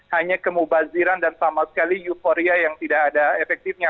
hanya kemubaziran dan sama sekali euforia yang tidak ada efektifnya